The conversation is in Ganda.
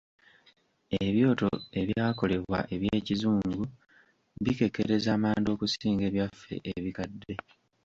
Ebyoto ebyakolebwa eby'ekizungu bikekkereza amanda okusinga ebyaffe ebikadde.